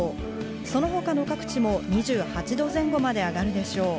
その他の各地も２８度前後まで上がるでしょう。